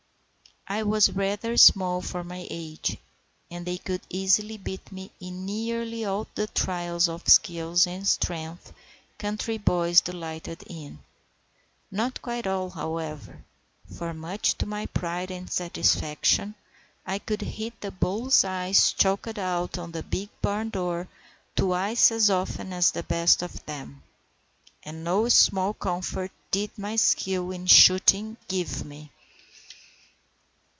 I was rather small for my age, and they could easily beat me in nearly all the trials of skill and strength country boys delighted in—not quite all, however, for, much to my pride and satisfaction, I could hit the bull's eye chalked out on the big barn door twice as often as the best of them; and no small comfort did my skill in shooting give me.